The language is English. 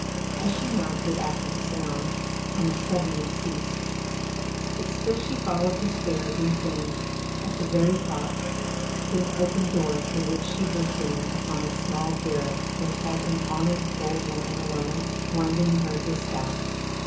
As she mounted after the sound, on a sudden it ceased; but still she followed the stairs and came, at the very top, to an open door through which she looked in upon a small garret where sat an honest old woman alone, winding her distaff.